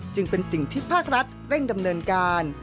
จึงเป็นสิ่งที่ภาครัฐเร่งดำเนินการ